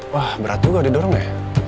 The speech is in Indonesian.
wah berat juga didorong ya